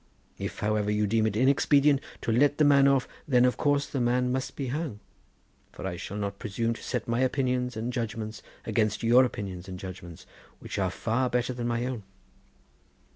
If, however, you deem it inexpedient to let the man off, then of course the man must be hung, for I shall not presume to set my opinions and judgments against your opinions and judgments, which are far better than my own.